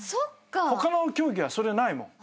他の競技はそれないもん。